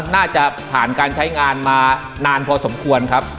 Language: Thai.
น่าจะผ่านการใช้งานมานานพอสมควรครับ